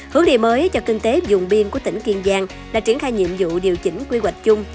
hướng đi mới cho kinh tế dùng biên của tỉnh kiên giang là triển khai nhiệm vụ điều chỉnh quy hoạch chung